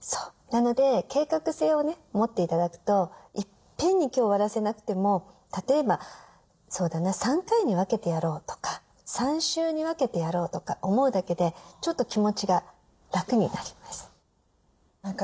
なので計画性を持って頂くといっぺんに今日終わらせなくても例えばそうだな３回に分けてやろうとか３週に分けてやろうとか思うだけでちょっと気持ちが楽になります。